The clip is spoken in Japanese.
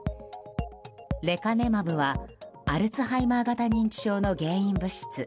レカネマブはアルツハイマー型認知症の原因物質